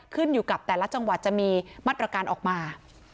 ขึ้นอยู่กับแต่ละจังหวัดจะมีมาตรการออกมา